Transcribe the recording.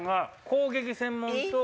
攻撃専門と。